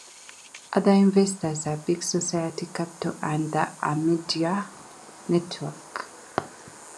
Other investors are Big Society Capital and the Omidyar Network.